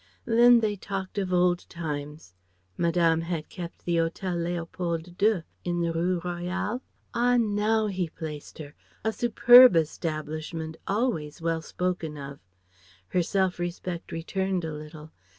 Then they talked of old times. Madame had kept the Hotel Leopold II in the Rue Royale? Ah, now he placed her. A superb establishment, always well spoken of. Her self respect returned a little.